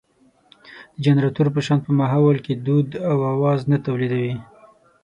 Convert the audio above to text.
د جنراتور په شان په ماحول کې دود او اواز نه تولېدوي.